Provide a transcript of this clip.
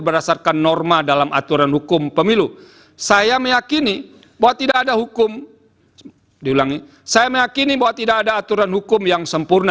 berdasarkan norma dalam aturan hukum pemilu saya meyakini bahwa tidak ada hukum yang